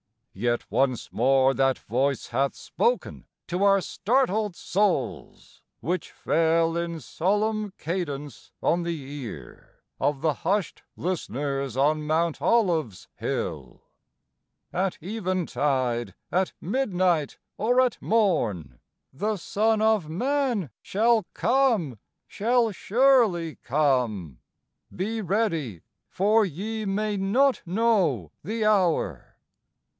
Yet once more That voice hath spoken to our startled souls Which fell in solemn cadence on the ear Of the hushed listeners on Mt. Olive's hill: "At eventide, at midnight, or at morn, The Son of Man shall come, shall surely come; Be ready, for ye may not know the hour."